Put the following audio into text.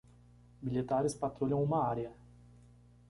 Militares patrulham uma área